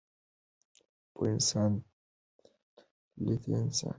پوه انسان تر نالوستي انسان ډېر ګټور دی.